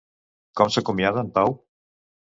Com s'acomiada en Pau?